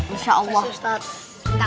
terima kasih ustadz